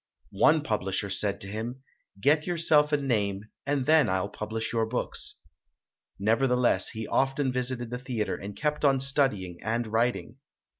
One publisher said to him, "Get yourself a name and then I'll publish your books". Nevertheless, he often visited the theatre and kept on studying and writing.